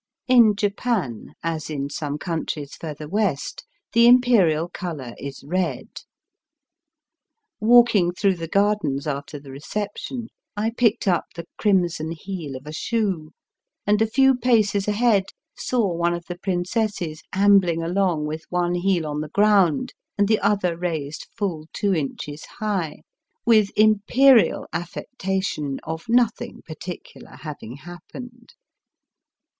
In Japan, as in some countries further West, the Imperial colour is red. Walking through the gardens after the reception, I picked up the crimson heel of a shoe, and a few paces ahead saw one of the princesses ambling along with one heel on the ground and the other raised fuU two inches high, with Imperial affectation of nothing particular having happened.